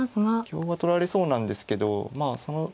香は取られそうなんですけどまあ